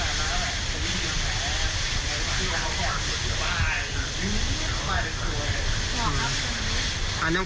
เอาน้ำเกลือเทราะแล้วก็ฝากวัดถู